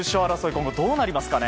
今後、どうなりますかね。